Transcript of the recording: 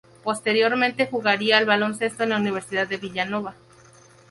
Posteriormente jugaría al baloncesto en la Universidad de Villanova.